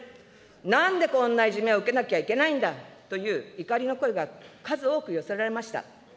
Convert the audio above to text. なんでこんないじめを受けなきゃいけないんだという怒りの声が数多く寄せられました。